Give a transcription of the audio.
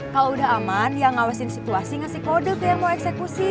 kalau udah aman ya ngawesin situasi ngasih kode deh yang mau eksekusi